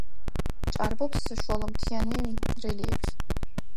ჭარბობს საშუალომთიანი რელიეფი.